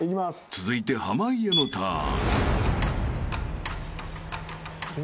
［続いて濱家のターン］